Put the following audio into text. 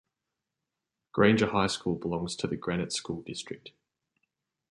Granger High belongs to the Granite School District.